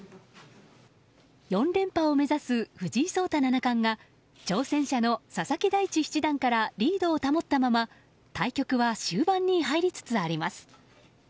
４連覇を目指す藤井聡太七冠が挑戦者の佐々木大地七段からリードを保ったまま対局は終盤に入りつつあります。